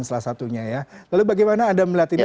salah satunya ya lalu bagaimana anda melihat ini